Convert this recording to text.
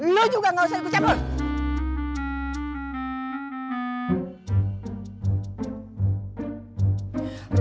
lo juga gak usah ikut ikut